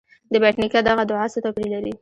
د بېټ نیکه دغه دعا څه توپیر لري.